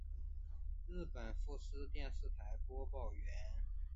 日本富士电视台播报员。